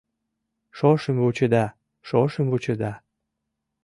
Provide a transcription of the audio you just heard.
Шошым вучеда, шошым вучеда, -